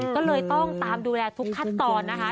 ก็เลยต้องตามดูแลทุกขั้นตอนนะคะ